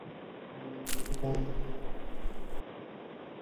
বিভিন্ন কারণে বিদেশে ভাবমূর্তির সংকট নিয়ে আমাদের নানা ধরনের সমস্যার মোকাবিলা করতে হয়।